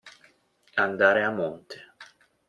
Andare a monte.